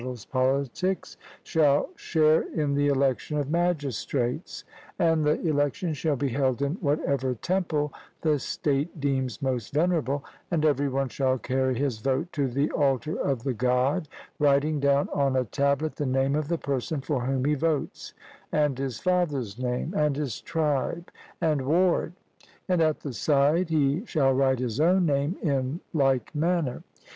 Pol.), shall share in the election of magistrates; and the election shall be held in whatever temple the state deems most venerable, and every one shall carry his vote to the altar of the God, writing down on a tablet the name of the person for whom he votes, and his father's name, and his tribe, and ward; and at the side he shall write his own name in like manner.